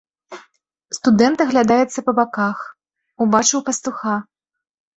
Студэнт аглядаецца па баках, убачыў пастуха.